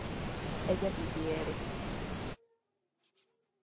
ella viviere